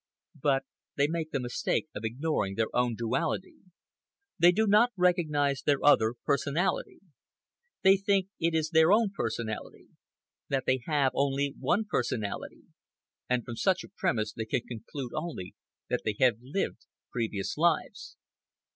But they make the mistake of ignoring their own duality. They do not recognize their other personality. They think it is their own personality, that they have only one personality; and from such a premise they can conclude only that they have lived previous lives.